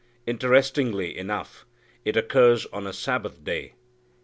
Interestingly enough it occurs on a Sabbath day.